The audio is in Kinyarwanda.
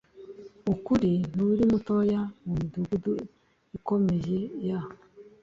ukuri nturi mutoya mu midugudu ikomeye ya